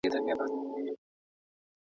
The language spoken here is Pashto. ملا بل ته مسئلې کوي، په خپله پرې حملې کوي.